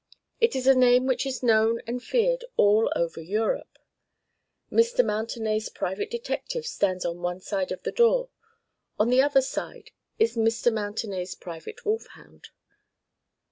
It is a name which is known and feared all over Europe. Mr. Mountenay's private detective stands on one side of the door; on the other side is Mr. Mountenay's private wolfhound.